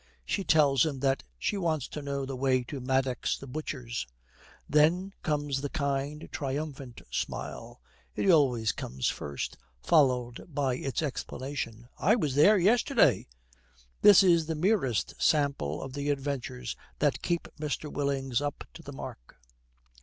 She tells him that she wants to know the way to Maddox the butcher's. Then comes the kind, triumphant smile; it always comes first, followed by its explanation, 'I was there yesterday!' This is the merest sample of the adventures that keep Mr. Willings up to the mark.